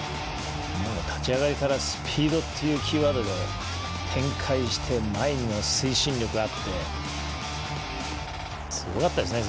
立ち上がりからスピードっていうキーワードが展開して前への推進力があってすごかったですね